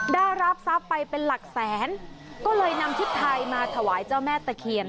ได้รับทรัพย์ไปเป็นหลักแสนก็เลยนำชุดไทยมาถวายเจ้าแม่ตะเคียน